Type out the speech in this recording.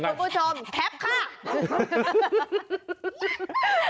คุณผู้ชมแคปค่ะ